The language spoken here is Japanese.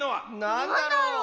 なんだろう。